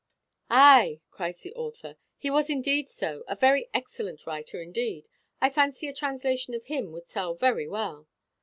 "Ay!" cries the author, "he was indeed so, a very excellent writer indeed! I fancy a translation of him would sell very well!"